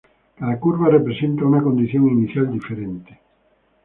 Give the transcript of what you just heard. Cada curva representa una condición inicial diferente.